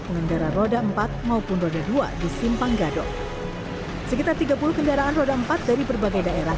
pengendara roda empat maupun roda dua di simpang gadok sekitar tiga puluh kendaraan roda empat dari berbagai daerah